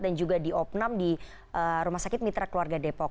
dan juga diopnam di rumah sakit mitra keluarga depok